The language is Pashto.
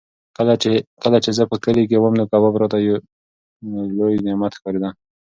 کله چې زه په کلي کې وم نو کباب راته یو لوی نعمت ښکارېده.